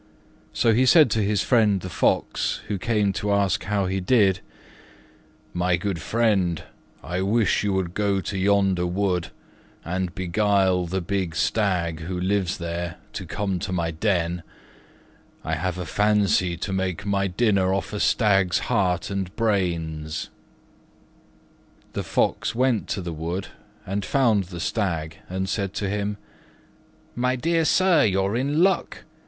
So he said to his friend the Fox, who came to ask how he did, "My good friend, I wish you would go to yonder wood and beguile the big Stag, who lives there, to come to my den: I have a fancy to make my dinner off a stag's heart and brains." The Fox went to the wood and found the Stag and said to him, "My dear sir, you're in luck.